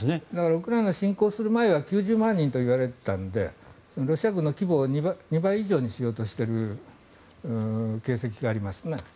ウクライナ侵攻する前は９０万人といわれていたのでロシア軍の規模を２倍以上にしようとしている形跡がありますね。